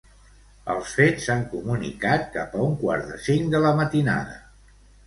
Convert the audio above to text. Els fets s'han comunicat cap a un quart de cinc de la matinada.